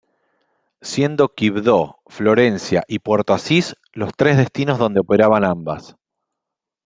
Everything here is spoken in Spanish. Siendo Quibdó, Florencia y Puerto Asís los tres destinos donde operan ambas.